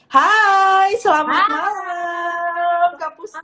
hai selamat malam kak puspa